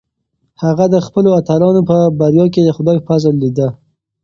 هغه د خپلو اتلانو په بریا کې د خدای فضل لیده.